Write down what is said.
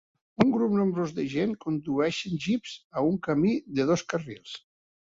Un grup nombrós de gent condueixen Jeeps a un camí de dos carrils.